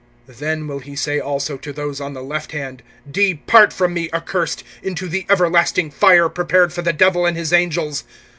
(41)Then will he say also to those on the left hand: Depart from me, accursed, into the everlasting fire; prepared for the Devil and his angels.